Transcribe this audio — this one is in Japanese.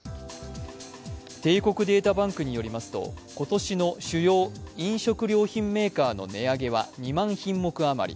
帝国データバンクによりますと、今年の主要飲食料品メーカーの値上げは２万品目余り。